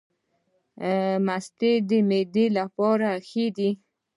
مستې د معدې لپاره ښې دي